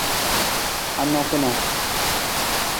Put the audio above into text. Anang kana?